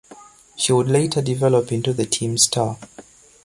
She would later develop into the team star.